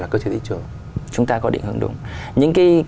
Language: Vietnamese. là cơ chế thị trường chúng ta có định hướng đúng